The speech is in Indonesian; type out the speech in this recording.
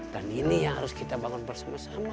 ini yang harus kita bangun bersama sama